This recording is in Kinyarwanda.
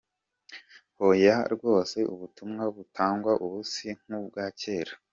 Aron : Hoya rwose ubutumwa butangwa ubu si nk’u bwa cyera.